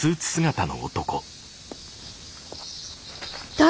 誰！？